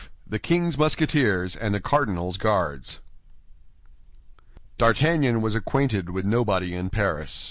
THE KING'S MUSKETEERS AND THE CARDINAL'S GUARDS D'Artagnan was acquainted with nobody in Paris.